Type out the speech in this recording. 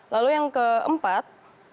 lalu yang keempat